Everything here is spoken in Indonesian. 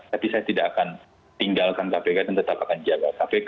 tapi saya tidak akan tinggalkan kpk dan tetap akan jaga kpk